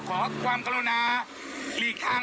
ขอความกรุณาหลีกทาง